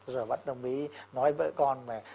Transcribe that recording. rồi bạn đồng ý nói với vợ con mà